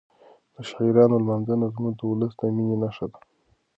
د شاعرانو لمانځنه زموږ د ولس د مینې نښه ده.